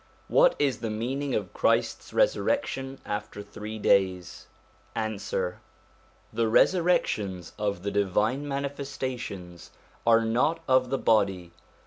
What is the meaning of Christ's resurrec tion after three days ? Answer. The resurrections of the Divine Manifesta tions are not of the body.